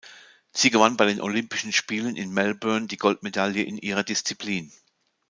Sie gewann bei den Olympischen Spielen in Melbourne die Goldmedaille in ihrer Disziplin.